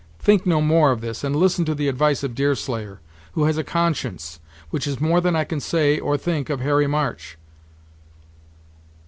think no more of this, and listen to the advice of Deerslayer, who has a conscience; which is more than I can say or think of Harry March."